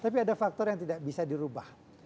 tapi ada faktor yang tidak bisa dirubah